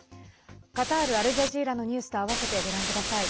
カタールアルジャジーラのニュースと併せてご覧ください。